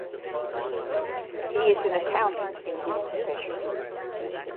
He is an Accountant in his profession.